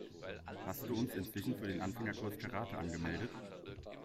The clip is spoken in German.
Hast du uns inzwischen für den Anfängerkurs Karate angemeldet?